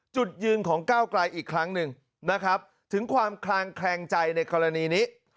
จุดยืนของก้าวไกลอีกครั้งหนึ่งนะครับถึงความคลางแคลงใจในกรณีนี้